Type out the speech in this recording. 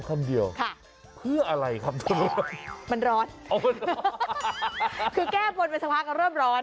คือแก้บนเป็นสภาพกับเริ่มร้อน